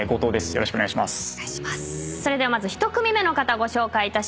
よろしくお願いします。